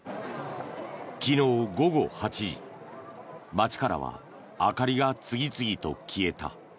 昨日午後８時街からは明かりが次々と消えた。